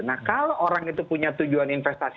nah kalau orang itu punya tujuan investasi